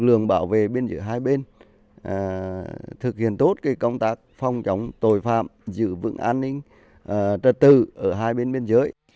thường bảo vệ bên giữa hai bên thực hiện tốt công tác phòng chống tội phạm giữ vững an ninh trật tự ở hai bên biên giới